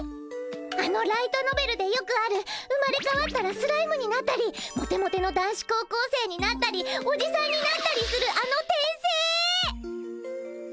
あのライトノベルでよくある生まれかわったらスライムになったりモテモテの男子高校生になったりおじさんになったりするあの転生！？